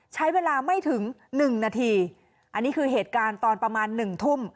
ใช้เวลาไม่ถึงหนึ่งนาทีอันนี้คือเหตุการณ์ตอนประมาณหนึ่งทุ่ม